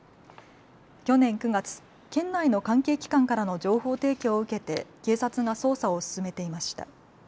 去年９月、県内の関係機関からの情報提供を受けて警察が捜査を進めていました。